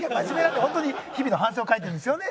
本当に日々の反省を書いてるんですよね。